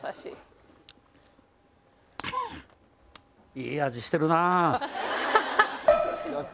いい味してるなぁ。